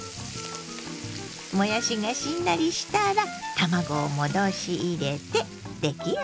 もやしがしんなりしたら卵を戻し入れて出来上がり。